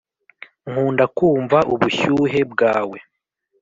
nkunda kumva ubushyuhe bwawe